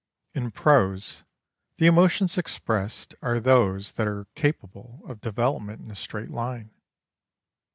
In prose, the emotions expressed are those that are capable of development in a straight line.